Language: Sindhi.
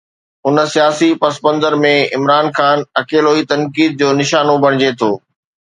ان سياسي پسمنظر ۾ عمران خان اڪيلو ئي تنقيد جو نشانو بڻجي ٿو.